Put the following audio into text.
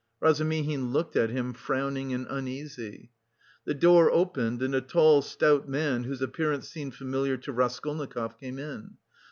Razumihin looked at him, frowning and uneasy. The door opened and a tall, stout man whose appearance seemed familiar to Raskolnikov came in.